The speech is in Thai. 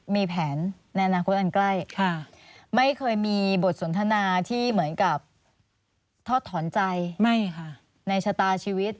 มีแผนในอนาคตอันใกล้ไม่เคยมีบทสนทนาที่เหมือนกับทอดถอนใจไม่ค่ะในชะตาชีวิต